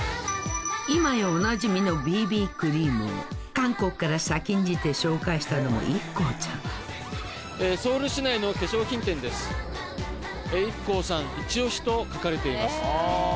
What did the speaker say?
今やおなじみのＢＢクリームを韓国から先んじて紹介したのもＩＫＫＯちゃん「ＩＫＫＯさんイチオシ！」と書かれています。